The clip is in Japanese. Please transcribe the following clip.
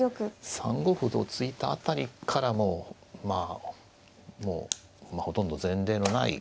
３五歩と突いた辺りからもうまあもうほとんど前例のない。